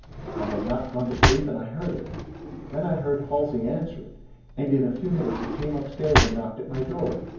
I had not gone to sleep, and I heard it. Then I heard Halsey answer it, and in a few minutes he came up stairs and knocked at my door.